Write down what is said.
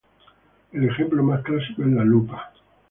El ejemplo más clásico es la lupa.